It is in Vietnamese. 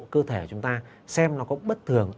cơ thể chúng ta xem nó có bất thường